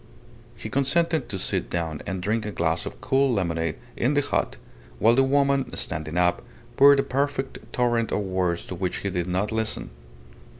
He consented to sit down and drink a glass of cool lemonade in the hut, while the woman, standing up, poured a perfect torrent of words to which he did not listen.